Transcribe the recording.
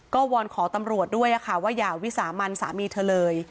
ก็วอนขอตำรวจด้วยว่าอย่าวิสามันสามีเธอเลย